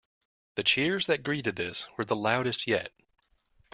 The cheers that greeted this were the loudest yet.